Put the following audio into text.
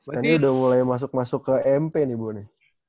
nah ini udah mulai masuk masuk ke mp nih bu nih